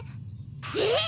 えっ⁉